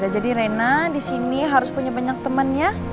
jadi rena di sini harus punya banyak temennya